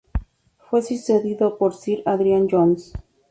Fue sucedido por Sir Adrian Johns.